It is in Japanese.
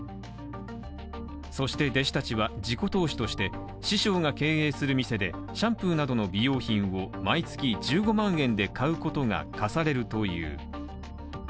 そして弟子たちは自己投資として師匠が経営する店でシャンプーなどの美容品を毎月１５万円で買うことが課されるという。